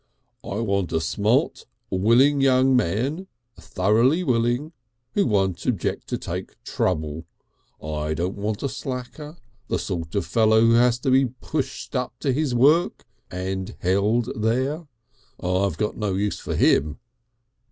"I want a smart, willing young man, thoroughly willing who won't object to take trouble. I don't want a slacker, the sort of fellow who has to be pushed up to his work and held there. I've got no use for him."